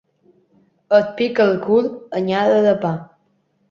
Et pica el cul, anyada de pa.